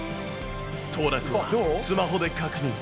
当落はスマホで確認。